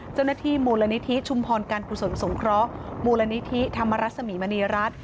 เจ้าหน้าที่มูลนิธิชุมพรการกุศลสงเคราะห์มูลนิธิธรรมรสมีมณีรัฐ